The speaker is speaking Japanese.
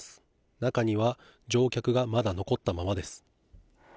中には乗客がまだ残ったままです。